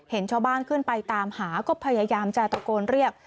เห็นชาวบ้านขึ้นไปตามหาก็พยายามจะตะโกนเรียก